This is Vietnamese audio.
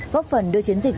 góp phần đưa chiến dịch